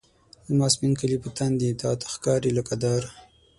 زما سپین کالي په تن دي، تا ته ښکاري لکه داره